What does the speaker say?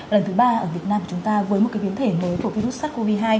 lần thứ ba ở việt nam của chúng ta với một biến thể mới của virus sars cov hai